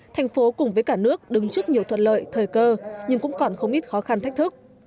thành phố cùng với cả nước đứng trước nhiều thuận lợi thời cơ nhưng cũng còn không ít khó khăn thách thức